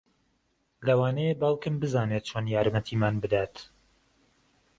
لەوانەیە باوکم بزانێت چۆن یارمەتیمان بدات